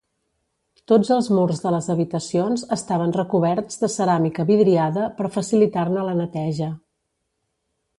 Tots els murs de les habitacions estaven recoberts de ceràmica vidriada per facilitar-ne la neteja.